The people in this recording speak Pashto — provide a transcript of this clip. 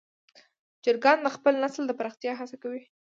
چرګان د خپل نسل د پراختیا هڅه کوي.